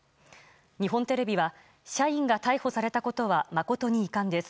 日本テレビは、社員が逮捕されたことは誠に遺憾です。